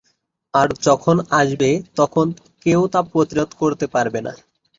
আর যখন আসবে তখন কেউ তা প্রতিরোধ করতে পারবে না।